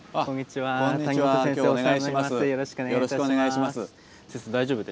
はい。